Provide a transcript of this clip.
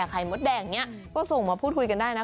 ก็ส่งมาพูดคุยกันได้นะ